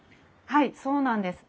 はいそうなんです。